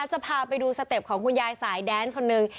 จะพาไปดูสเต็ปของคุณยายสายแดนคนหนึ่ง